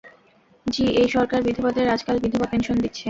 জ্বী এই সরকার বিধবাদের আজকাল বিধবা পেনশন দিচ্ছে।